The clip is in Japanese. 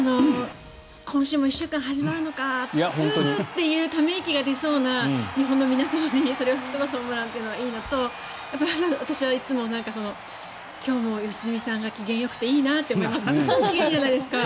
今週も１週間始まるのかふーっていうため息が出そうな日本の皆さんに、それを吹き飛ばすというのがいいのと私はいつも今日も良純さんが機嫌がよくていいなと思います。